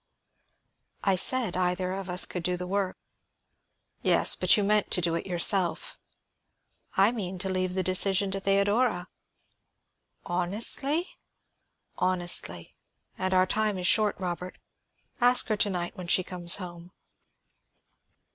"I said either of us could do the work." "Yes, but you mean to do it yourself." "I mean to leave the decision to Theodora." "Honestly?" "Honestly. And our time is short, Robert; ask her to night when she comes home."